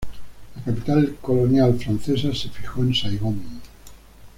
La capital colonial francesa se fijó en Saigón.